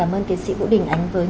với những phân tích rất cụ thể vừa rồi